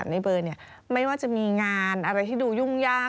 ในเบอร์เนี่ยไม่ว่าจะมีงานอะไรที่ดูยุ่งยาก